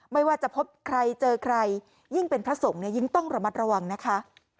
ไม่ว่าจะพบใครเจอใครยิ่งเป็นพระสงฆ์เนี่ยยิ่งต้องระมัดระวังนะคะ